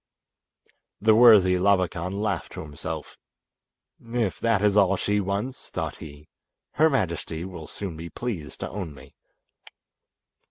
The worthy Labakan laughed to himself. "If that is all she wants," thought he, "her majesty will soon be pleased to own me."